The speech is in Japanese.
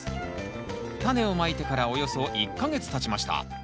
タネをまいてからおよそ１か月たちました